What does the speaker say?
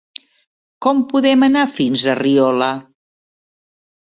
Com podem anar fins a Riola?